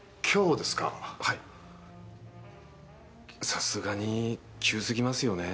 さすがに急過ぎますよね。